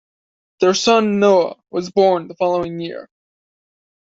Their son Noah was born the following year.